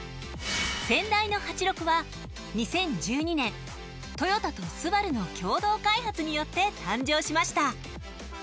先代の８６は２０１２年トヨタとスバルの共同開発によって誕生しました。